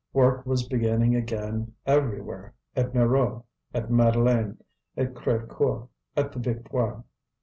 Work was beginning again everywhere, at Mirou, at Madeleine, at Crévecoeur, at the Victoire.